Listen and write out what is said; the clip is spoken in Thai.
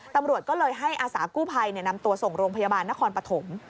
ตำรวจก็เลยให้อาสากู้ภัยนำตัวส่งโรงพยาบาลนครปฐม